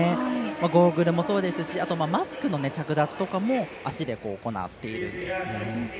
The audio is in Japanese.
ゴーグルもそうですしマスクの着脱とかも足で行っているんですね。